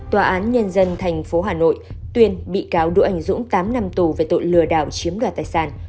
tòa án nhân dân tp hà nội tuyên bị cáo đỗ anh dũng tám năm tù về tội lừa đảo chiếm đoạt tài sản